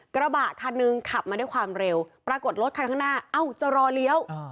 กระบะคันหนึ่งขับมาด้วยความเร็วปรากฏรถคันข้างหน้าเอ้าจะรอเลี้ยว